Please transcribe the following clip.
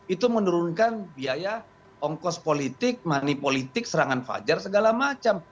itu menurunkan biaya ongkos politik money politik serangan fajar segala macam